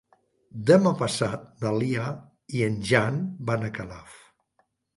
Demà passat na Lia i en Jan van a Calaf.